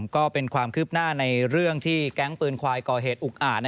ก็เป็นความคืบหน้าในเรื่องที่แก๊งปืนควายก่อเหตุอุกอ่าน